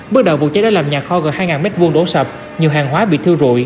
bước đầu vụ cháy đã làm nhà kho gần hai m hai đổ sập nhiều hàng hóa bị thiêu rụi